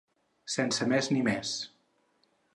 Sense més ni més.